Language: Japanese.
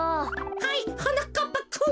はいはなかっぱくん。